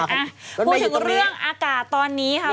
อ่ะพูดถึงเรื่องอากาศตอนนี้ค่ะ